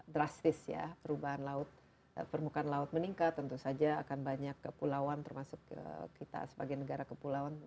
drastis ya perubahan laut permukaan laut meningkat tentu saja akan banyak kepulauan termasuk kita sebagai negara kepulauan